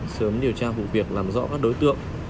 sớm điều tra vụ việc làm rõ các đối tượng